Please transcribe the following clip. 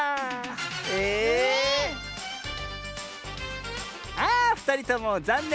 ええっ⁉あふたりともざんねん。